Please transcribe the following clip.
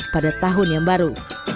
pada tahun baru